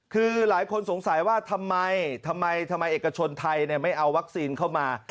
คือหลายคนสงสัยว่าทำไมทำไมเอกชนไทยไม่เอาวัคซีนเข้ามา